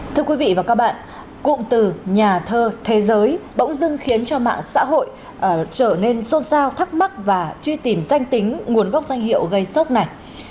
thưa quý vị và các bạn cụm từ nhà thơ thế giới bỗng dưng khiến cho mạng xã hội trở nên xôn xao thắc mắc và truy tìm danh tính nguồn gốc danh hiệu gây sốc này